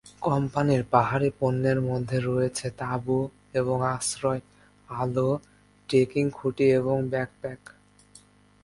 কোম্পানির পাহাড়ি পণ্যের মধ্যে রয়েছে তাঁবু এবং আশ্রয়, আলো, ট্রেকিং খুঁটি এবং ব্যাকপ্যাক।